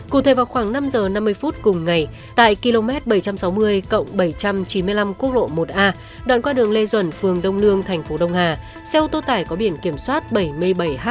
cụ thể vào khoảng năm giờ năm mươi phút cùng ngày tại km bảy trăm sáu mươi cộng bảy trăm chín mươi năm quốc lộ một a đoạn qua đường lê duẩn phường đông lương tp đông hà xe ô tô tải có biển kiểm soát bảy mươi bảy h